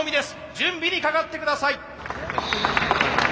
準備にかかって下さい。